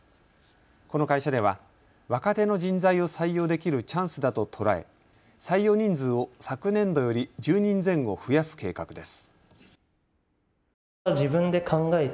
この会社では若手の人材を採用できるチャンスだと捉え採用人数を昨年度より１０人前後増やす計画です。